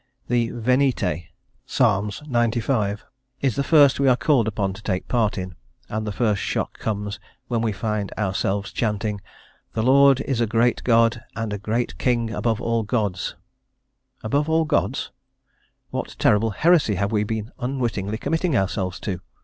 The Venite (Ps. xcv.) is the first we are called upon to take part in, and the first shock comes when we find ourselves chanting "The Lord is a great God and a great king above all gods." "Above all Gods!" what terrible heresy have we been unwittingly committing ourselves to?